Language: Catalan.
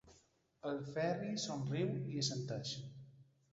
El Ferri somriu i assenteix.